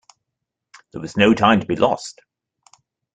There was no time to be lost.